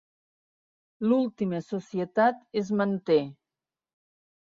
L'última societat es manté.